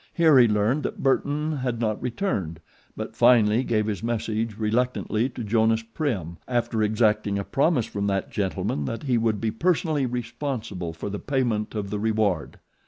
Here he learned that Burton had not returned; but finally gave his message reluctantly to Jonas Prim after exacting a promise from that gentleman that he would be personally responsible for the payment of the reward.